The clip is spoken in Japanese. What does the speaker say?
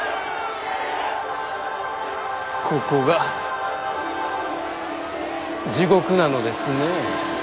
ここが地獄なのですね。